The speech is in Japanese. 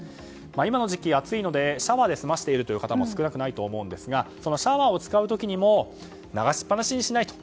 今の時期、暑いのでシャワーで済ませている方も少なくないと思うんですがそのシャワーを使う時にも流しっぱなしにしないと。